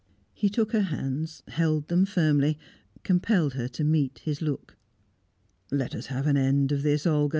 He took her hands, held them firmly, compelled her to meet his look. "Let us have an end of this, Olga!